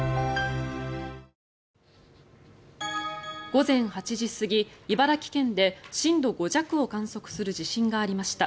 午前８時過ぎ茨城県で震度５弱を観測する地震がありました。